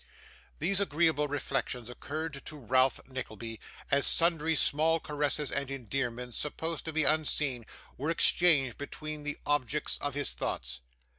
These agreeable reflections occurred to Ralph Nickleby, as sundry small caresses and endearments, supposed to be unseen, were exchanged between the objects of his thoughts.